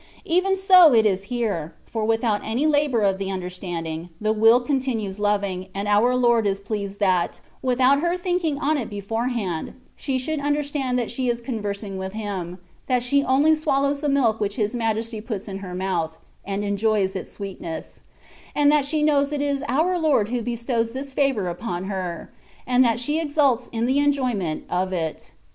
Even so is it here; for without any labour of the understanding, the will continues loving, and our Lord is pleased that, without her thinking on it beforehand, she should understand that she is conversing with him, that she only swal lows the milk which His Majesty puts in her mouth, and enjoys its sweetness, and that she knows it is our Lord who bestows this favour upon her, and that she exults in the enjoyment of it.